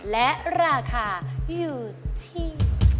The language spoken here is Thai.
และราคาอยู่ที่